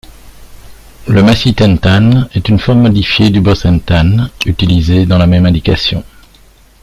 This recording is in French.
Le macitentan est une forme modifiée du bosentan utilisée dans la même indication.